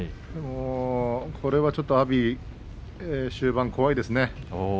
これはちょっと阿炎は終盤怖いですね。